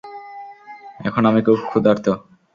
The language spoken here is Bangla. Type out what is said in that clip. এখন আমি খুব ক্ষুধার্ত।